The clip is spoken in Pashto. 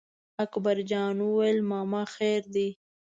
اکبر جان وویل: ماما خیر دی.